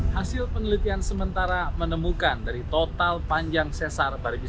hasil penelitian sementara menemukan dari total panjang sesar baribis